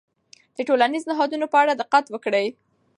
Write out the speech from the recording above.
د ټولنیزو نهادونو په اړه دقت وکړئ.